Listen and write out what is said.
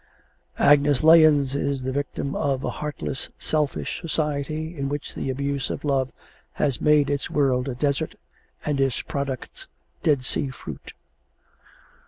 Agnes Lahens is the victim of a heartless, selfish society in which the abuse of love has made its world a desert and its products Dead Sea fruit.